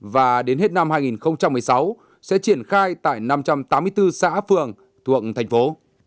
và đến hết năm hai nghìn một mươi sáu sẽ triển khai tại năm trăm tám mươi bốn xã phường thuộc thành phố